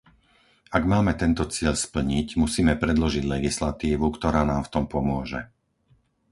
Ak máme tento cieľ splniť, musíme predložiť legislatívu, ktorá nám v tom pomôže.